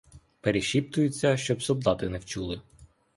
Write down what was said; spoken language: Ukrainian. Перешіптуються, щоб солдати не вчули.